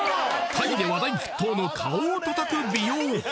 タイで話題沸騰の顔を叩く美容法